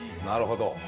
なるほど。